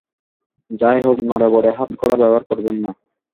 যাই হোক, নড়বড়ে হাতকড়া ব্যবহার করবেন না।